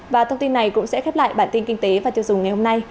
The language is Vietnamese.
và thông tin này cũng sẽ khép lại bản tin kinh tế và tiêu dùng ngày hôm nay